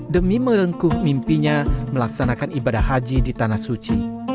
demi merengkuh mimpinya melaksanakan ibadah haji di tanah suci